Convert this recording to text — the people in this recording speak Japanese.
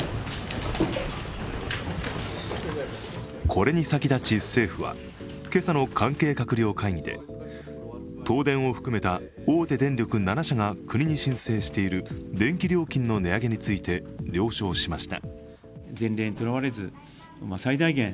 これに先立ち、政府は今朝の関係閣僚会議で東電を含めた大手電力７社が国に申請している電気料金の値上げについて了承しました。